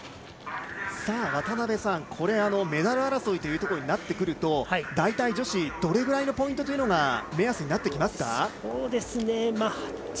さあ、渡辺さんメダル争いとなってくると大体、女子はどれぐらいのポイントが目安になってきますか？